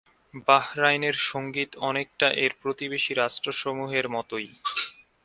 বাহরাইনের সঙ্গীত অনেকটা এর প্রতিবেশী রাষ্ট্রসমূহের মতই।